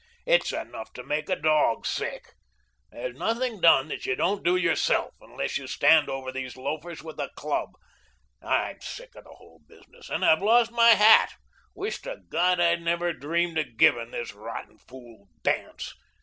It's enough to make a dog sick. There's nothing done that you don't do yourself, unless you stand over these loafers with a club. I'm sick of the whole business and I've lost my hat; wish to God I'd never dreamed of givin' this rotten fool dance.